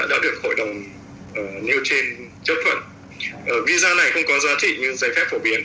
đã được hội đồng nêu trên chấp thuận visa này không có giá trị như giấy phép phổ biến